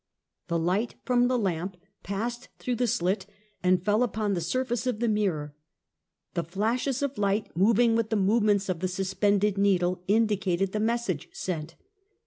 The light from the lamp passed through the slit and fell upon the surface of the mirror. The flashes of light moving with the movements of the suspended needle, indicated the message sent.